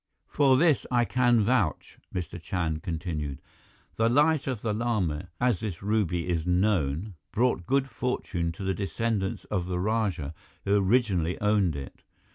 "For this I can vouch," Mr. Chand continued. "The Light of the Lama, as this ruby is known, brought good fortune to the descendants of the rajah who originally owned it.